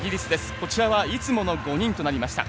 こちらはいつもの５人となりました。